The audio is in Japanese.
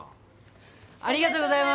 ありがとうございます！